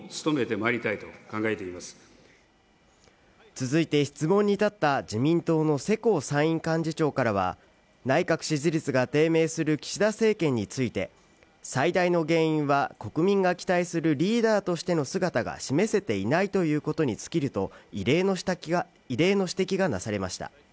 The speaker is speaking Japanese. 続いて質問に立った自民党の世耕参院幹事長からは内閣支持率が低迷する岸田政権について最大の原因は国民が期待するリーダーとしての姿が示せていないということに尽きると異例の指摘がなされました